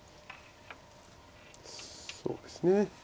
そうですね。